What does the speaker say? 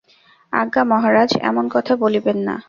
আজ্ঞা মহারাজ, এমন কথা বলিবেন না।